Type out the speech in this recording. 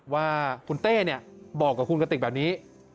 ว่าคุณเต้บอกกับคุณกติกแบบนี้